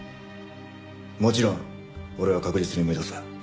もちろん俺は確実に埋めたさ。